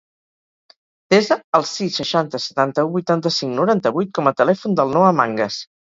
Desa el sis, seixanta, setanta-u, vuitanta-cinc, noranta-vuit com a telèfon del Noah Mangas.